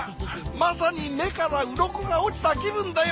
まさに目からウロコが落ちた気分だよ